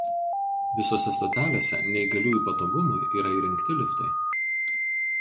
Visose stotelėse neįgaliųjų patogumui yra įrengti liftai.